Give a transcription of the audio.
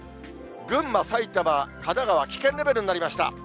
群馬、埼玉、神奈川、危険レベルになりました。